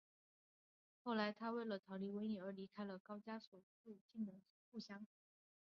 后来他为了逃避瘟疫而离开了高加索附近的故乡。